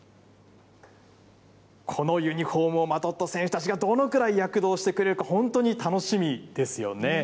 このユニホームをまとった選手たちが、どのくらい躍動してくれるか、本当に楽しみですよね。